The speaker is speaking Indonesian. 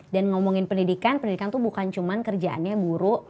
dan ngomongin pendidikan pendidikan itu bukan cuma kerjaannya guru